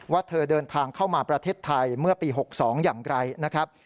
เธอเดินทางเข้ามาประเทศไทยเมื่อปี๖๒อย่างไรนะครับ